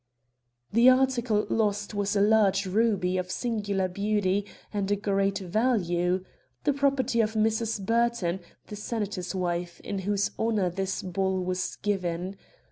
The article lost was a large ruby of singular beauty and great value the property of Mrs. Burton, the senator's wife, in whose honor this ball was given.